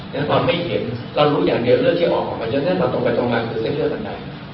แล้วก่อนไม่เห็นเรารู้อย่างเดียวเลือดที่ออกออกมันจะแน่ตรงไปตรงหลังคือเส้นเลือดกันได้